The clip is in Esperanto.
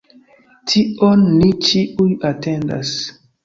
Tion ni ĉiuj atendas.